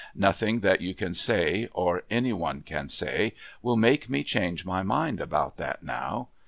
Nothing that you can say, or any one can say, will make me change my mind about that now....